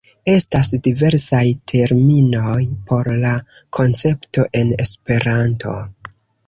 Estas diversaj terminoj por la koncepto en Esperanto.